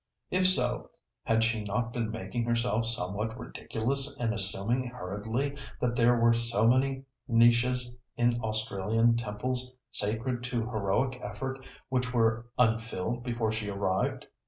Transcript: If so, had she not been making herself somewhat ridiculous in assuming hurriedly that there were so many niches in Australian temples sacred to heroic effort which were unfilled before she arrived.